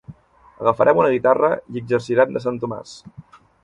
Agafarem una guitarra i exercirem de sant Tomàs.